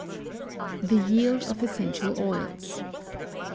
THE YIELD OF ESSENTIAL OILS.